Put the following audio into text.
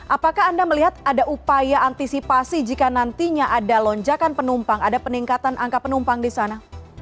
apakah anda melihat ada upaya antisipasi jika nantinya ada lonjakan penumpang ada peningkatan angka penumpang di sana